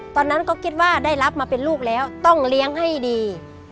ตอนนั้นก็คิดว่าได้รับมาเป็นลูกแล้วต้องเลี้ยงให้ดี